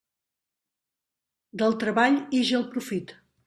Del treball ix el profit.